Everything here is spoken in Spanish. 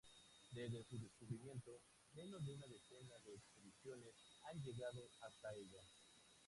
Desde su descubrimiento, menos de una decena de expediciones han llegado hasta ella.